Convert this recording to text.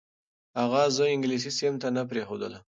اغا زه انګلیسي صنف ته نه پرېښودلم.